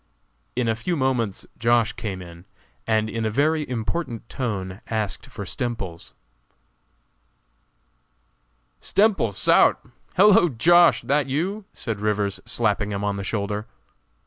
In a few moments Josh. came in, and in a very important tone asked for Stemples. "Stemple sout! Hellow, Josh., that you?" said Rivers, slapping him on the shoulder.